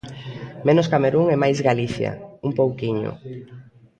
Menos Camerún e máis Galicia, un pouquiño.